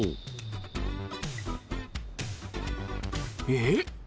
えっ！？